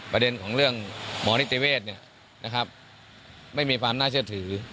ประเด็นของเรื่องหมอนิติเวศไม่มีความน่าเชื่อถือ